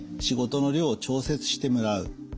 仕事の量を調節してもらう。